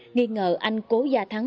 nghi ngờ anh cố gia thắng